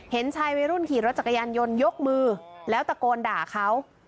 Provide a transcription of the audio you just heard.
เห็นชายวัยรุ่นขี่รถจักรยานยนต์ยกมือแล้วตะโกนด่าเขา